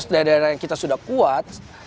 daerah daerah yang kita sudah kuat